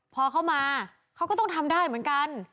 พอเข้ามาเขาก็ต้องทำได้เหมือนกัน